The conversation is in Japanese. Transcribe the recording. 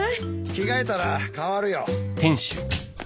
着替えたら代わるよ。